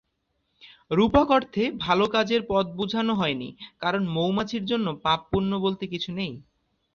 রূপক অর্থে ভালো কাজের পথ বুঝানো হয়নি, কারণ মৌমাছির জন্য পাপ-পূণ্য বলতে কিছু নেই।